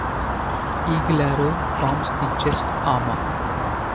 Eaglearrow forms the chest armor.